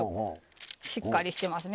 しっかりしてますね